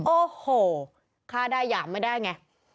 โอ้โหฆ่าได้หยามไม่ได้ไง